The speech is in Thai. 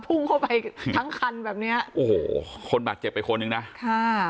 พุ่งเข้าไปทั้งคันแบบเนี้ยโอ้โหคนบาดเจ็บไปคนหนึ่งนะค่ะ